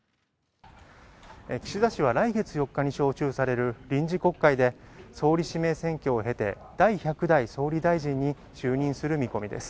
岸田氏は来月４日に召集される、臨時国会で総理指名選挙を経て、第１００代総理大臣に就任する見込みです。